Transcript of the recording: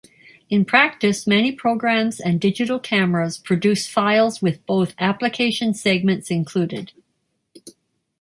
In practice, many programs and digital cameras produce files with both application segments included.